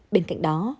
bên cạnh đó